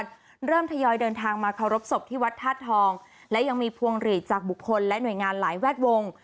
เริ่มทยอยเดินทางมาเคารพศพที่วัดธาตุทองและยังมีพวงหลีดจากบุคคลและหน่วยงานหลายแวดวง